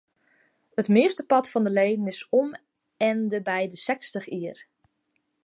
It meastepart fan de leden is om ende by de sechstich jier.